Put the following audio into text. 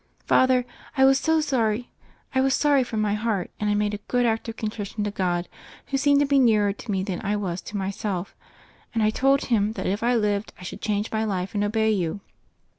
Father, I was sorry from my heart, and I made a good act of contrition to God, who seemed to be nearer to me than I was to myself; and I told Him that if I lived I should change my life and obey you.